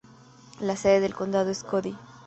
La sede del condado es Cody.